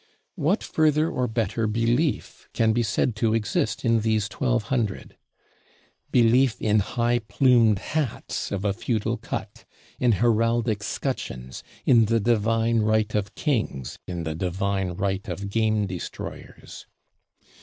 What further or better belief can be said to exist in these Twelve Hundred? Belief in high plumed hats of a feudal cut; in heraldic scutcheons; in the divine right of Kings, in the divine right of Game Destroyers.